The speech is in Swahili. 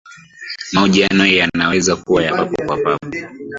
mahojiano yanaweza kuwa ya papo kwa papo